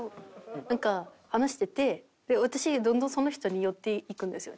なんか話してて私どんどんその人に寄っていくんですよ